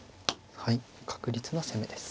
はい確実な攻めです。